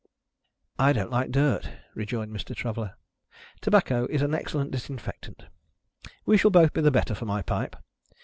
"I don't like dirt," rejoined Mr. Traveller; "tobacco is an excellent disinfectant. We shall both be the better for my pipe.